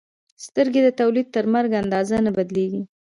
سترګې له تولد تر مرګ اندازه نه بدلېږي.